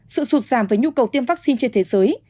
sự sụt giảm về nhu cầu tiêm vaccine trên thế giới